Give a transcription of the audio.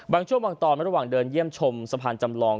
ช่วงบางตอนระหว่างเดินเยี่ยมชมสะพานจำลอง